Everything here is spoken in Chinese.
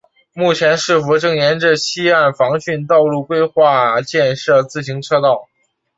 目前市府正沿溪岸防汛道路规划建设自行车道。